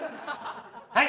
はい！